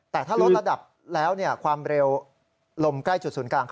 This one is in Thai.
แต่ถ้าลดระดับแล้วความเร็วลมใกล้จุดศูนย์กลาง